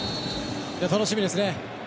楽しみですね。